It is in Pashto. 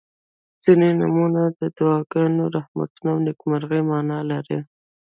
• ځینې نومونه د دعاګانو، رحمتونو او نیکمرغۍ معنا لري.